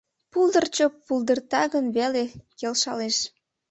Пулдырчыжо пулдырта гын веле, келшалеш.